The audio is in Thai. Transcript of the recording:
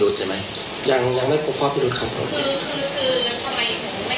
รวดใช่ไหมยังยังไม่พอพอพิรุจคำตรงนี้คือคือ